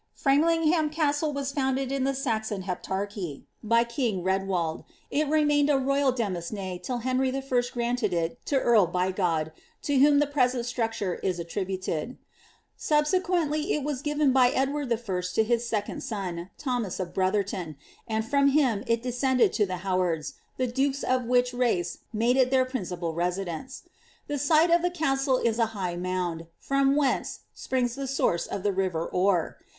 Framlingham Castle was founded in the Sazoa hepteichf, by wag Redwald ; it remained a royal demesne till Henry I. gnmtad it to ain Bjgod, to whom the present structure is attributed. Sabaaqpaendy it was given by Edward I. to his second son, Thomas of Brotfaertoik aal from him it descended to the Howards, the dukea of which lace made it their principal residence. The site of the castle is a high moond, fioai whence springs the source of the river Orr.